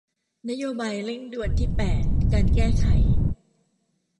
นโยบายเร่งด่วนที่แปดการแก้ไข